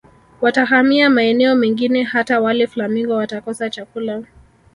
Watahamia maeneo mengine hata wale flamingo watakosa chakula